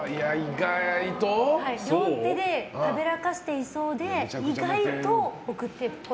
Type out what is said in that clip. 両手ではべらかしていそうで意外と奥手っぽい。